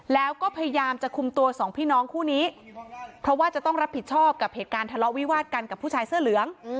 แล้วก็พยายามจะคุมตัวสองพี่น้องคู่นี้เพราะว่าจะต้องรับผิดชอบกับเหตุการณ์ทะเลาะวิวาดกันกับผู้ชายเสื้อเหลือง